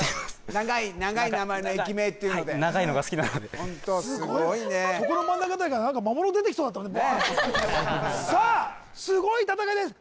長い名前の駅名っていうので長いのが好きなのでそこの真ん中あたりから魔物出てきそうだったもんねバーンとさあすごい戦いです